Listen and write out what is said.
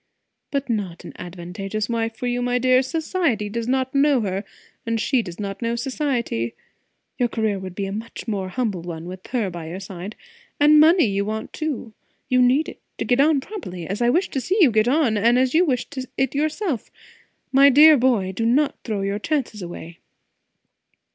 "But not an advantageous wife for you, my dear. Society does not know her, and she does not know society. Your career would be a much more humble one with her by your side. And money you want, too. You need it, to get on properly; as I wish to see you get on, and as you wish it your self. My dear boy, do not throw your chances away!"